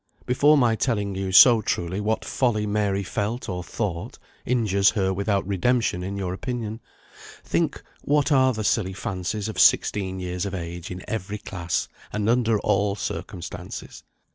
Before my telling you so truly what folly Mary felt or thought, injures her without redemption in your opinion, think what are the silly fancies of sixteen years of age in every class, and under all circumstances.